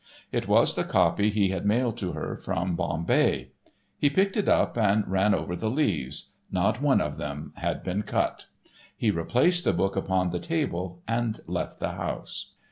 It was the copy he had mailed to her from Bombay. He picked it up and ran over the leaves; not one of them had been cut. He replaced the book upon the table and left the house.